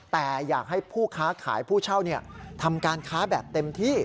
แต่อยากให้ผู้ค้าขายผู้เช่าทำการค้าแบบเต็มที่